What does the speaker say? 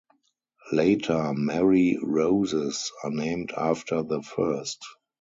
Later "Mary Roses" are named after the first.